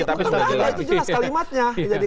itu jelas kalimatnya